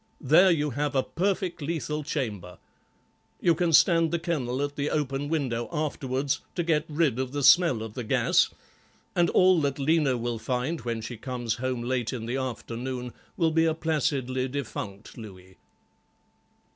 There you have a perfect lethal chamber. You can stand the kennel at the open window afterwards, to get rid of the smell of gas, and all that Lena will find when she comes home late in the afternoon will be a placidly defunct Louis."